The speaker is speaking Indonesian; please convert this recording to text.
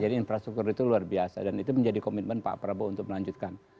jadi infrastruktur itu luar biasa dan itu menjadi komitmen pak prabowo untuk melanjutkan